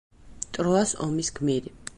ტროას ომის გმირი.